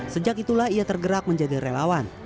sejak itulah ia tergerak menjadi relawan